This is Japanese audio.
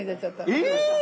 え⁉